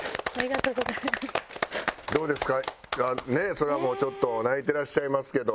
それはもうちょっと泣いてらっしゃいますけど。